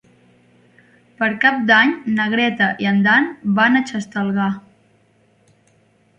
Per Cap d'Any na Greta i en Dan van a Xestalgar.